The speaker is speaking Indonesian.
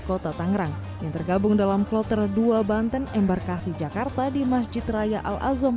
kota tangerang yang tergabung dalam kloter dua banten embarkasi jakarta di masjid raya al azom